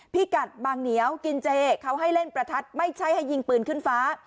พี่กัดบางเหนียวกินเจเขาให้เล่นประทัดไม่ใช่ให้ยิงปืนขึ้นฟ้า